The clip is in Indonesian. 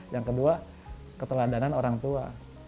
yang kedua keteladanan orang tua